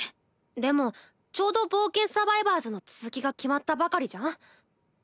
でもちょうど「冒険サバイバーズ」の続きが決まったばかりじゃん。